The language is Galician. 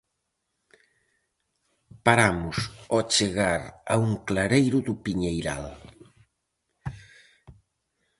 Paramos ao chegar a un clareiro do piñeiral.